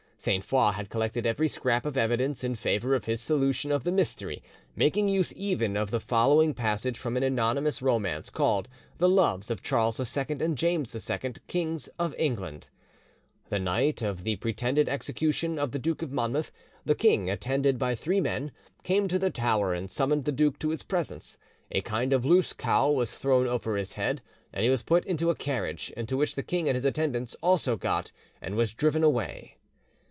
Sainte Foix had collected every scrap of evidence in favour of his solution of the mystery, making use even of the following passage from an anonymous romance called 'The Loves of Charles II and James II, Kings of England':— "The night of the pretended execution of the Duke of Monmouth, the king, attended by three men, came to the Tower and summoned the duke to his presence. A kind of loose cowl was thrown over his head, and he was put into a carriage, into which the king and his attendants also got, and was driven away."